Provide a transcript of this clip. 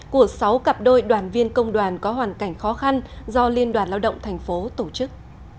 của sáu cặp đôi đoàn viên công đoàn có hoàn cảnh khó khăn do liên đoàn lao động tp tổ chức